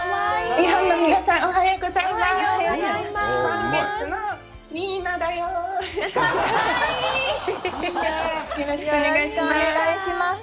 日本の皆さん、おはようございます。